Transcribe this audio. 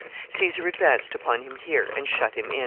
Caesar advanced upon him here and shut him in.